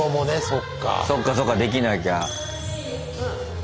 そっかそっかできなきゃ。